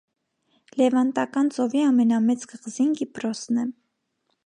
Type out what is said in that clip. Լևանտական ծովի ամենամեծ կղզին Կիպրոսն է։